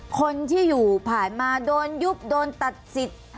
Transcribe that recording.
คนที่อยู่ผ่านมาโดนยุบโดนตัดสิทธิ์